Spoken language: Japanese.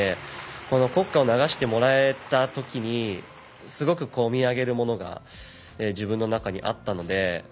この国歌を流してもらえたときにすごく込み上げるものが自分の中にあったので。